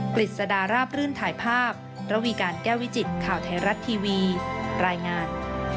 กฤษดาราบรื่นถ่ายภาพระวีการแก้ววิจิตข่าวไทยรัฐทีวีรายงาน